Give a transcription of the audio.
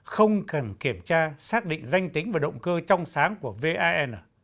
không cần kiểm tra xác định danh tính và động cơ trong sáng của vin